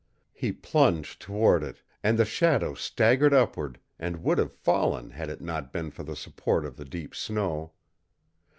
He plunged toward it, and the shadow staggered upward, and would have fallen had it not been for the support of the deep snow.